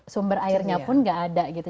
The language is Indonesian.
air bersih pun tidak ada